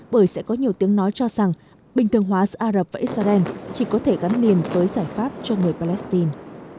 bởi sẽ có nhiều tiếng nói cho rằng bình thường hóa giữa ả rập và israel chỉ có thể gắn liền với giải pháp cho người palestine